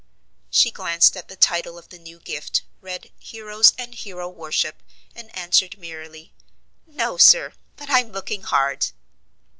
She glanced at the title of the new gift, read "Heroes and Hero worship," and answered merrily: "No, sir, but I'm looking hard."